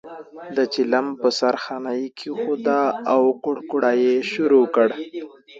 د چلم په سر خانۍ یې کېښوده او کوړاړی یې شروع کړ.